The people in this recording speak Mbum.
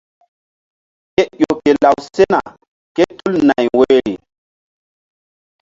Kéƴo ke law sena kétul nay woyri.